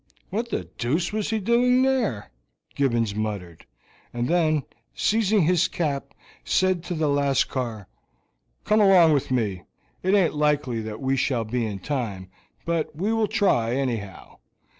"What the deuce was he doing there?" Gibbons muttered, and then, seizing his cap, said to the Lascar, "Come along with me; it aint likely that we shall be in time, but we will try, anyhow."